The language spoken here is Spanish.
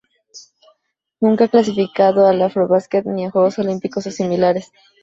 Nunca ha clasificado al Afrobasket ni a Juegos Olímpicos o similares.